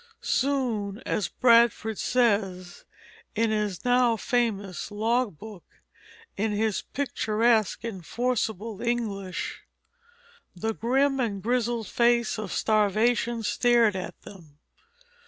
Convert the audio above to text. Soon, as Bradford says in his now famous Log Book, in his picturesque and forcible English, "the grim and grizzled face of starvation stared" at them.